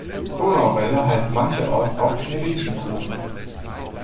Donauwelle heißt mancherorts auch Schneewittchenkuchen.